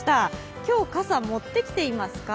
今日、傘持ってきていますか？